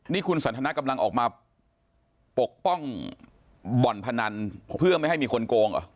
นี่คุณสันทนากำลังออกมาปกป้องบ่อนพนันเพื่อไม่ให้มีคนโกงเหรอ